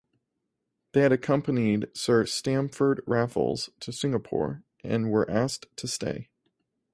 They had accompanied Sir Stamford Raffles to Singapore and were asked to stay.